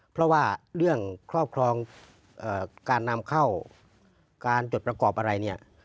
เพราะว่าเรื่องครอบครองการนำเข้าการจดประกอบอะไรเนี่ย